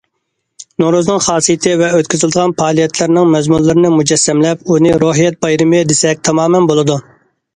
نورۇزنىڭ خاسىيىتى ۋە ئۆتكۈزۈلىدىغان پائالىيەتلىرىنىڭ مەزمۇنلىرىنى مۇجەسسەملەپ، ئۇنى« روھىيەت بايرىمى» دېسەك تامامەن بولىدۇ.